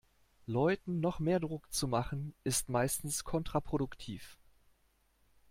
Leuten noch mehr Druck zu machen, ist meistens kontraproduktiv.